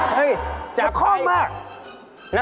เฮ่ยจับใครกับนักคล่องมา